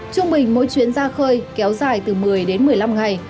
trung bình mỗi chuyến ra khơi kéo dài từ một mươi đến một mươi năm ngày